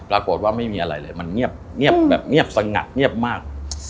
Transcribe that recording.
ปรากฏว่าไม่มีอะไรเลยมันเงียบแบบเงียบสงัดเงียบมาก